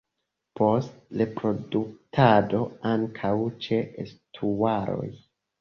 Post reproduktado ankaŭ ĉe estuaroj.